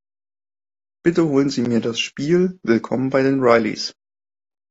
Bitte holen Sie mir das Spiel Willkommen bei den Rileys.